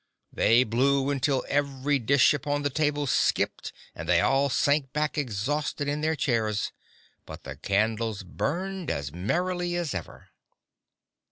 They blew until every dish upon the table skipped and they all sank back exhausted in their chairs, but the candles burned as merrily as ever.